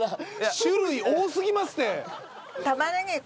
種類多すぎますって。